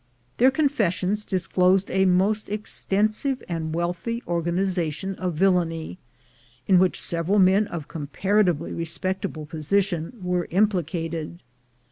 Their confessions disclosed a most extensive and wealthy organization of villainy, in which several men of com paratively respectable position were implicated.